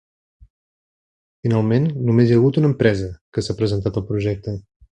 Finalment només hi ha hagut una empresa que s’ha presentat al projecte.